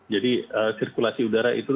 jadi sirkulasi udara itu